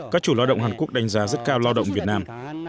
các chủ lao động hàn quốc đánh giá rất cao lao động việt nam